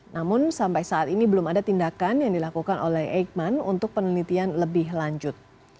namun sampai saat ini belum ada tindakan yang dilakukan oleh eijkman untuk penelitian lebih lanjut